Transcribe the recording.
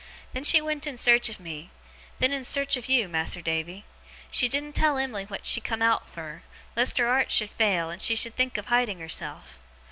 Then she went in search of me; then in search of you, Mas'r Davy. She didn't tell Em'ly what she come out fur, lest her 'art should fail, and she should think of hiding of herself.